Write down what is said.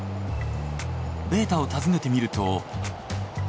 ベータを訪ねてみると。